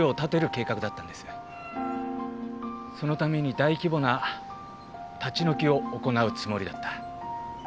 そのために大規模な立ち退きを行うつもりだった。